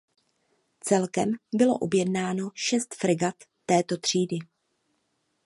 Celkem bylo objednáno šest fregat této třídy.